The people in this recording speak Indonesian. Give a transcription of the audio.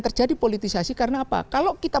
terjadi politisasi karena apa kalau kita